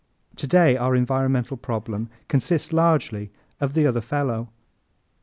Today our environmental problem consists largely of the other fellow.